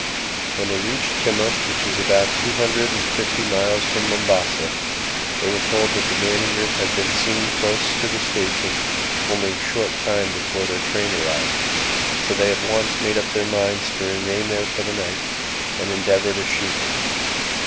When they reached Kimaa, which is about two hundred and fifty miles from Mombasa, they were told that the man eater had been seen close to the station only a short time before their train arrived, so they at once made up their minds to remain there for the night and endeavour to shoot him.